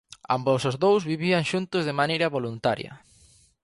"Ambos os dous vivían xuntos de maneira voluntaria".